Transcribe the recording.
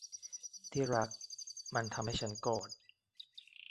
ที่รัก มันทำให้ฉันโกรธ